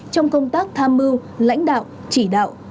trong công tác tham mưu lãnh đạo chỉ đạo